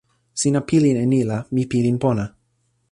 sina pilin e ni la mi pilin pona.